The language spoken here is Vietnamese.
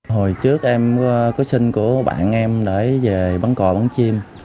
hồi trước em có sinh của bạn em để về bắn cò bắn chim